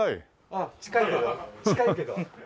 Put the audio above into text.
あっ近いけど近いけど。